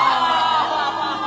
ハハハハ！